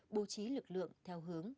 bố trí lực lượng theo hướng